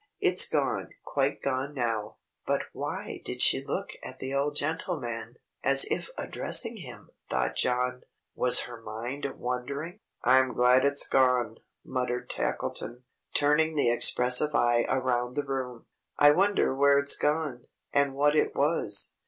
It's gone, quite gone now." "But why did she look at the old gentleman, as if addressing him?" thought John. "Was her mind wandering?" "I'm glad it's gone," muttered Tackleton, turning the expressive eye around the room. "I wonder where it's gone, and what it was.